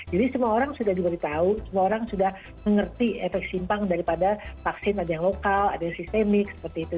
jadi semua orang sudah diberitahu semua orang sudah mengerti efek simpang daripada vaksin ada yang lokal ada yang sistemik seperti itu